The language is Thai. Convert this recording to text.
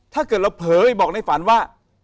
ถ้าเกิดเราเผยบอกในฝันว่า